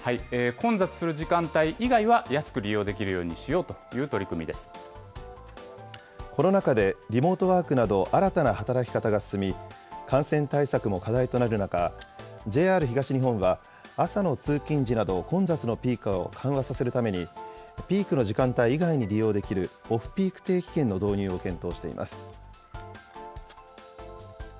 混雑する時間帯以外は、安く利用できるようにしようという取コロナ禍でリモートワークなど、新たな働き方が進み、感染対策も課題となる中、ＪＲ東日本は、朝の通勤時など、混雑のピークを緩和させるために、ピークの時間帯以外に利用できるオフピーク定期券の導入を検討しています。